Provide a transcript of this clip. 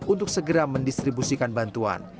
untuk segera mendistribusikan bantuan